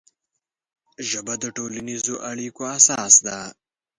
ژبه د ټولنیزو اړیکو اساس ده